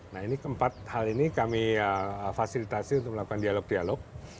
nah ini keempat hal ini kami fasilitasi untuk melakukan dialog dialog